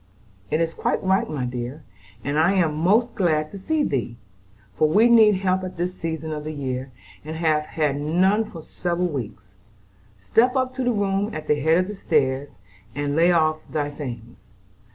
"It is quite right, my dear, and I am most glad to see thee; for we need help at this season of the year, and have had none for several weeks. Step up to the room at the head of the stairs, and lay off thy things.